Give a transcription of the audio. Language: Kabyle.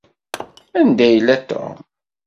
Anda yella Tom?